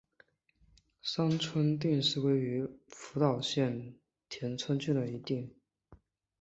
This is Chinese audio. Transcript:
三春町是位于福岛县田村郡的一町。